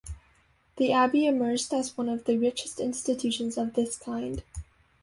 The abbey emerged as one of the richest institutions of this kind.